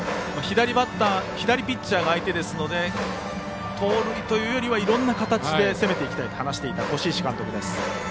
左ピッチャーが相手ですので盗塁というよりはいろんな形で攻めていきたいと話していた輿石監督です。